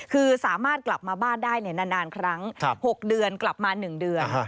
คือสามารถกลับมาบ้านได้นานครั้ง๖เดือนกลับมา๑เดือน